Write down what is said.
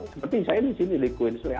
seperti saya di sini di queensland